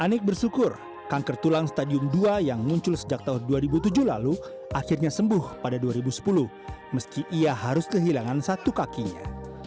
anik bersyukur kanker tulang stadium dua yang muncul sejak tahun dua ribu tujuh lalu akhirnya sembuh pada dua ribu sepuluh meski ia harus kehilangan satu kakinya